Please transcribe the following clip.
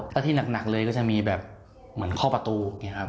ถ้าที่หนักเลยก็จะมีแบบเหมือนข้อประตูอย่างนี้ครับ